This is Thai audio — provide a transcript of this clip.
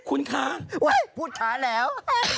อุ่ยพูดท้าแล้ว